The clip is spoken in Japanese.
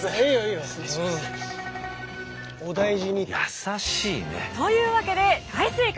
優しいね。というわけで大正解！